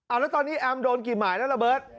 แล้วตอนนี้แอมโดนกี่หมายแล้วระเบิร์ต